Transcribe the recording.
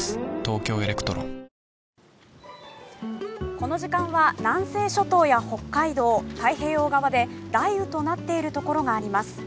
この時間は南西諸島や北海道太平洋側で雷雨となっているところがあります。